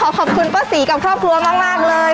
ขอบคุณป้าศรีกับครอบครัวมากเลย